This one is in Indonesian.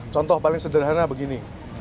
contoh paling sederhana begini